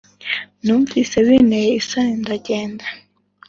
Numvise bineye isoni ndagenda